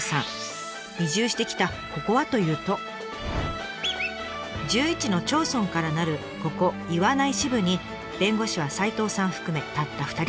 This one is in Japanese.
移住してきたここはというと１１の町村からなるここ岩内支部に弁護士は齋藤さん含めたった２人だけ。